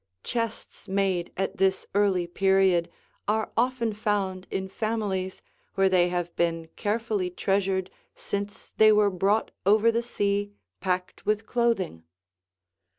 Chests made at this early period are often found in families where they have been carefully treasured since they were brought over the sea packed with clothing.